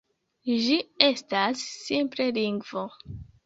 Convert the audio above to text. Ĝi estas simple lingvo.